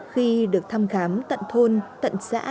khi được thăm khám tận thôn tận xã